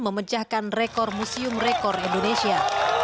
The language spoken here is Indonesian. memecahkan rekor museum rekor indonesia